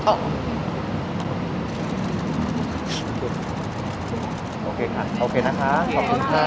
โอเคค่ะโอเคนะคะขอบคุณค่ะขอบคุณค่ะ